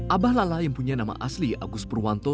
abah lala yang punya nama asli agus purwanto